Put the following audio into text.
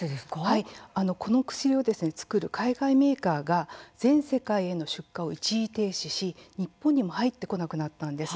この薬を作る海外メーカーが全世界での出荷を一時停止し日本にも入ってこなくなりました。